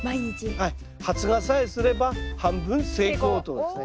はい発芽さえすれば半分成功ということですね。